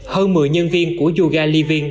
hơn một mươi nhân viên của yoga living